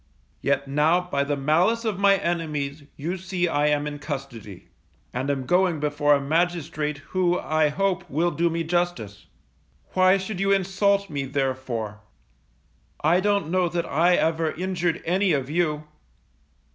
Yet now by the malice of my enemies, you see I am in custody, and am going before a magistrate who I hope will do me justice. Why should you insult me, therefore? I don't know that I ever injured any of you?